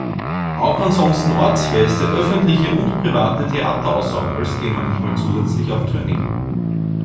Auch ansonsten ortsfeste öffentliche und private Theaterensembles gehen manchmal zusätzlich auf Tournee.